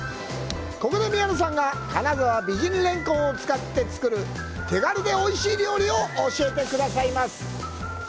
ここで宮野さんが、金澤美人れんこんを使って作る手軽でおいしい料理を教えてくださいます。